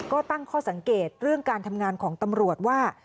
ก็ตั้งข้อสังเกตเรื่องการทำงานของตำรวจว่า